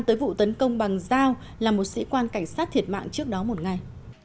tới vụ tấn công bằng dao làm một sĩ quan cảnh sát thiệt mạng trước đó một ngày